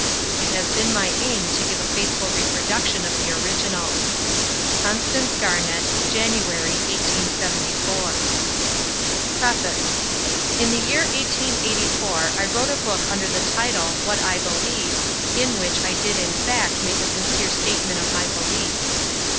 It has been my aim to give a faithful reproduction of the original. CONSTANCE GARNETT. January, 1894 PREFACE. In the year 1884 I wrote a book under the title "What I Believe," in which I did in fact make a sincere statement of my beliefs.